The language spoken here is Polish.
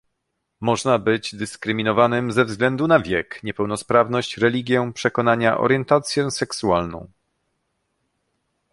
Można być dyskryminowanym ze względu na wiek, niepełnosprawność, religię, przekonania, orientację seksualną